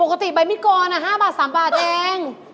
ปกติใบมิกออะ๕๓บาทแหง